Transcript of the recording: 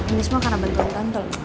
ini semua karena bantuan tante lho